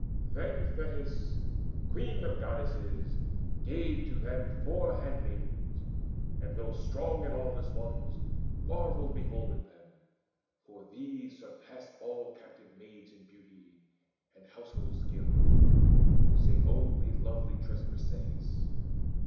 Then Thetis, queen of Goddesses, gave to them Four handmaids; and those strong and aweless ones Marvelled beholding them, for these surpassed All captive maids in beauty and household skill, Save only lovely tressed Briseis.